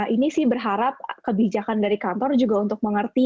ini sih berharap kebijakan dari kantor juga untuk mengerti